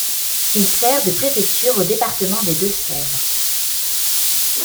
Il sert de préfecture au département des Deux-Sèvres.